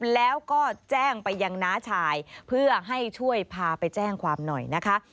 แล้วก็แจ้งไปยังน้าชายเพื่อให้ช่วยพาไปแจ้งความหน่อยนะคะ